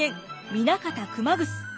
南方熊楠。